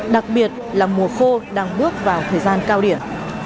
đặc biệt là mùa khô đang bước vào thời gian cao điểm